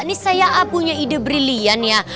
ini saya punya ide brilian ya